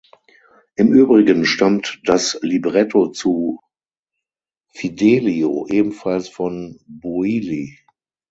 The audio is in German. Im Übrigen stammt das Libretto zu "Fidelio" ebenfalls von Bouilly.